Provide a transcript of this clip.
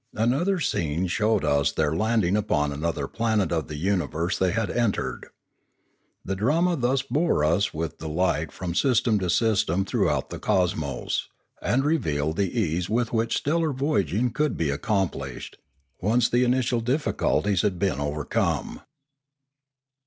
Another scene showed us their landing upon another planet of the universe they had entered. The drama thus bore us with delight from system to system throughout the cosmos, and re vealed the ease with which stellar voyaging could be accomplished, once the initial difficulties had been overcome.